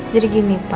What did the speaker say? jadi gini pa